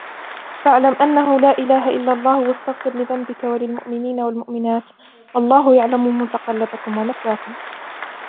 فَاعْلَمْ أَنَّهُ لَا إِلَهَ إِلَّا اللَّهُ وَاسْتَغْفِرْ لِذَنْبِكَ وَلِلْمُؤْمِنِينَ وَالْمُؤْمِنَاتِ وَاللَّهُ يَعْلَمُ مُتَقَلَّبَكُمْ وَمَثْوَاكُمْ